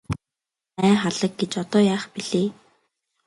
Ай халаг гэж одоо яах билээ.